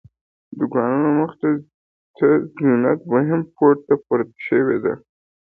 د دوکانونو مخې ته زینه دویم پوړ ته پورته شوې ده.